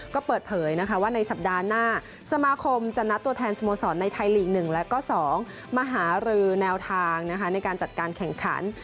ก็เปิดเผยว่าในสัปดาห์หน้าสมาคมจะนัดตัวแทนสโมสรในไทยลีก๑และก็๒มาหารือแนวทางในการจัดการแข่งขัน